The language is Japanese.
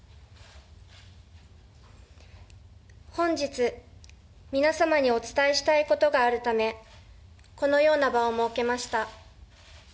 本日、皆様にお伝えしたいことがあるため、このような場を設けました。